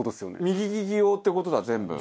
右利き用って事だ全部。